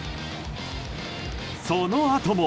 そのあとも。